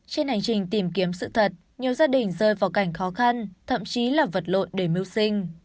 trên hành trình tìm kiếm sự thật nhiều gia đình rơi vào cảnh khó khăn thậm chí là vật lộn để mưu sinh